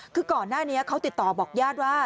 คือก่อนหน้านี้เขาติดต่อบอกญาติว่า